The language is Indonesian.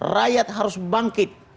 rakyat harus bangkit